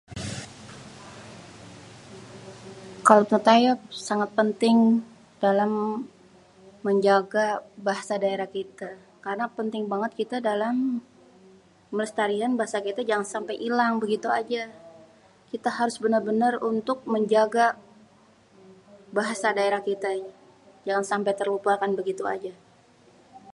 Kalo kita ya sangat penting dalam menjaga bahasa daerah kite, karna penting banget kite dalam melestarian bahasa kite jangan sampai ilang begitu aja. Kita harus bener-bener untuk menjaga bahasa daerah kita ini, jangan sampe terlupakan, begitu aje.